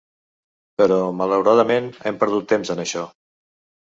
Però malauradament, hem perdut temps en això.